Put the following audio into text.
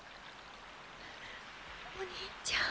お兄ちゃん。